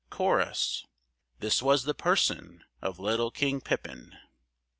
Cho.—This was the person of little King Pippin.